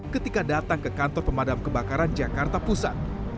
ketika datang ke kantor pemadam kebakaran jakarta pusat